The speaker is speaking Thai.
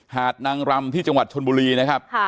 หาดนางรำที่จังหวัดชนบุรีนะครับ